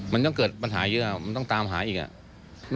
มันต้องเกิดปัญหาเยอะมันต้องตามหาอีกอ่ะ